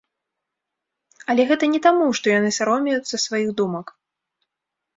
Але гэта не таму, што яны саромеюцца сваіх думак.